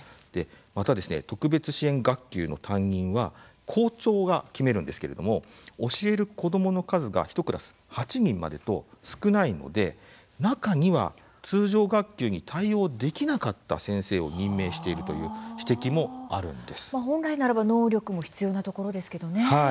また、特別支援学級の担任は校長が決めるんですけれども教える子どもの数が１クラス８人までと少ないので中には、通常学級に対応できなかった先生を任命しているという指摘も本来ならば能力も必要なところですけどね。